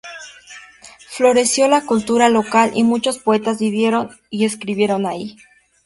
Floreció la cultura local, y muchos poetas vivieron y escribieron ahí.